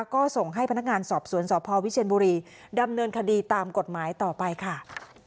ก็ส่งให้พนักงานสอบสวนสพวิเชียนบุรีดำเนินคดีตามกฎหมายต่อไปค่ะ